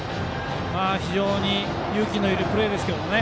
非常に勇気のいるプレーですけど。